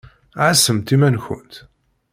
Ɛasemt iman-nkent!